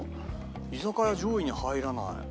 居酒屋上位に入らない。